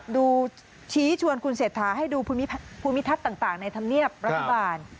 ดูชี้ชวนคุณเศรษฐาให้ดูภูมิทัศน์ต่างในธรรมเนียบรัฐบาล